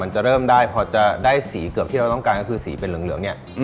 เจียวหอมแดงให้ผมหน่อย